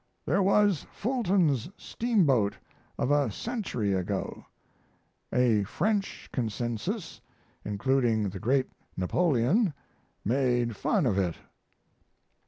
There was Fulton's steamboat of a century ago: a French Consensus, including the great Napoleon, made fun of it.